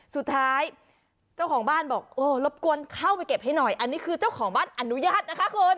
สุดท้ายเจ้าของบ้านบอกโอ้รบกวนเข้าไปเก็บให้หน่อยอันนี้คือเจ้าของบ้านอนุญาตนะคะคุณ